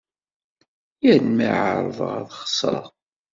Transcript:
Yal mi ɛerḍeɣ ad xesreɣ.